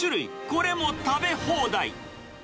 これも食べ放題。